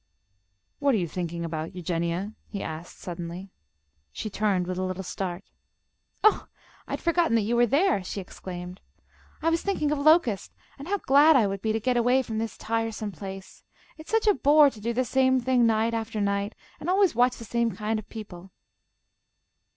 "What are you thinking about, Eugenia?" he asked, suddenly. She turned with a little start. "Oh, I had forgotten that you were there!" she exclaimed. "I was thinking of Locust, and how glad I would be to get away from this tiresome place. It's such a bore to do the same thing night after night, and always watch the same kind of people."